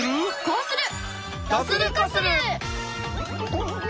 こうする！